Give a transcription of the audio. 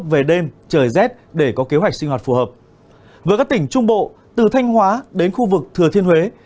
với các tỉnh trung bộ từ thanh hóa đến khu vực thừa thiên huế